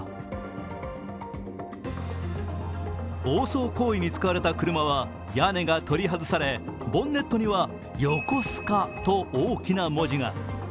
暴走行為に使われた車は屋根が取り外され、ボンネットには「横須賀」と大きな文字が。